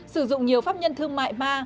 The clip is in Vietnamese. sử dụng nhiều pháp nhân thương mại ma